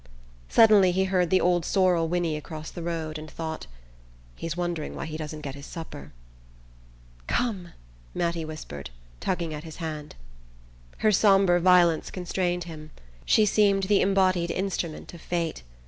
Suddenly he heard the old sorrel whinny across the road, and thought: "He's wondering why he doesn't get his supper..." "Come!" Mattie whispered, tugging at his hand. Her sombre violence constrained him: she seemed the embodied instrument of fate.